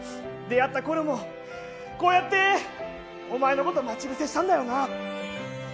出会ったころも、こうやってお前を待ち伏せしたんだよな。